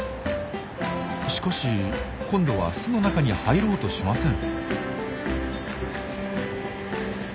しかし今度は巣の中に入ろうとしません。